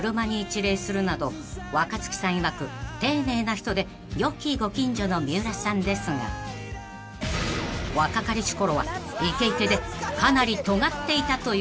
いわく丁寧な人でよきご近所の三浦さんですが若かりしころはイケイケでかなりトガっていたという情報が］